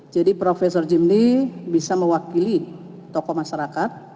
jadi profesor jimli bisa mewakili tokoh masyarakat